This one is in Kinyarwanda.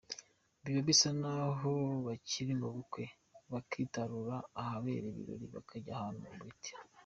Biba bisa n’aho bakiri mu bukwe, bakitarura ahabera ibirori bakajya ahantu mu biti.